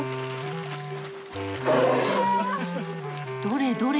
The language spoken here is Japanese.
どれどれ？